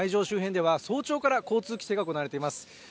周辺では早朝から交通規制が行われています。